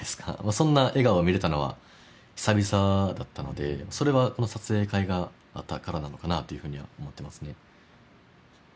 そんな笑顔を見れたのは久々だったのでそれはこの撮影会があったからなのかなというふうには思ってますね